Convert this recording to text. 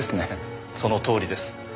そのとおりです。